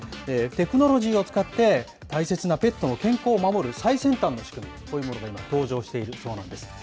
テクノロジーを使って、大切なペットの健康を守る最先端の仕組み、こういうものが今、登場しているそうなんです。